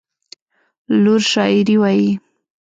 لور شاعري وايي.